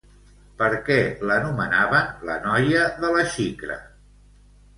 Per què l'anomenaven la noia de la xicra?